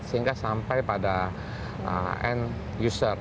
sehingga sampai pada end user